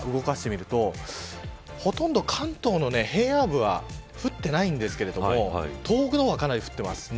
夜中から動かしていくとほとんど関東の平野部は降っていないんですけど東北の方はかなり降っています。